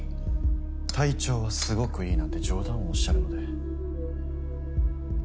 体調はすごくいいなんて冗談をおっしゃるので。